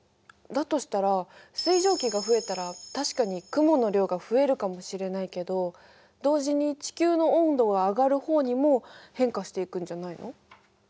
だとしたら水蒸気が増えたら確かに雲の量が増えるかもしれないけど同時に地球の温度が上がる方にも変化していくんじゃないの？